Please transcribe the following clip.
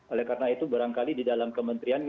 oleh karena itu barangkali di dalam kementerian